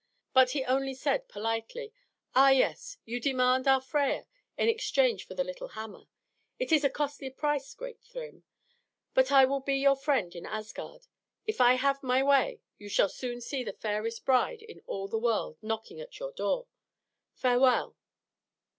But he only said politely, "Ah, yes; you demand our Freia in exchange for the little hammer? It is a costly price, great Thrym. But I will be your friend in Asgard. If I have my way, you shall soon see the fairest bride in all the world knocking at your door. Farewell!"